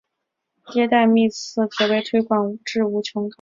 迭代幂次可被推广至无穷高。